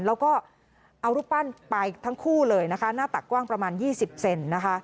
แล้วก็เอารูปปั้นไปทั้งคู่เลยนะคะหน้าตักกว้างประมาณ๒๐เซนนะคะ